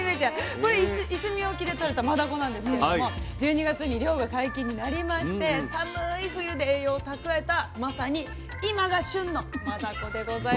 これいすみ沖でとれたマダコなんですけれども１２月に漁が解禁になりまして寒い冬で栄養をたくわえたまさに今が旬のマダコでございます。